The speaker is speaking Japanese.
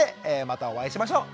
またお会いしましょう。